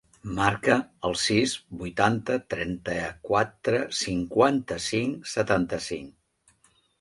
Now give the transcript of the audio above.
Marca el sis, vuitanta, trenta-quatre, cinquanta-cinc, setanta-cinc.